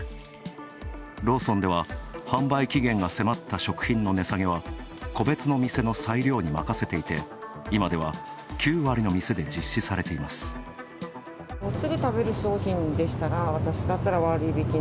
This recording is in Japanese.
ローソンでは販売期限が迫った食品の値下げは、個別の店の裁量に任せていて、今では、９割の店で実施されています。